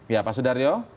ya pak sudaryo